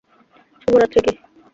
শুভ রাত্রি কী?